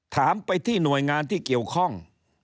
ถามไปที่หน่วยงานที่เกี่ยวข้อง